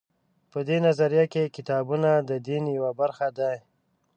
په دې نظریه کې کتابونه د دین یوه برخه دي.